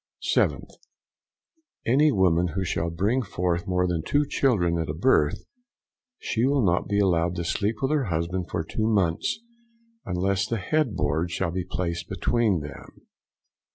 7th. Any woman who shall bring forth more than two children at a birth, she will not be allowed to sleep with her husband for two months, unless the head board shall be placed between them.